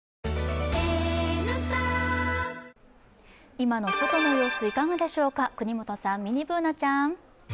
今の外の様子、いかがでしょうか國本さん、ミニＢｏｏｎａちゃん。